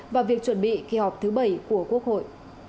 và việc chuẩn bị kỳ họp thứ bảy của quốc hội